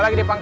ya udah bang